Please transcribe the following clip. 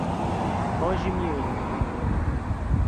Moji-mirim